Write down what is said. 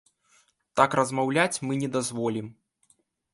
Так размаўляць мы не дазволім.